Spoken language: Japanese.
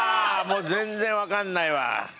もう全然わかんないわ。